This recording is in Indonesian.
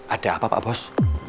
ada apa pak bos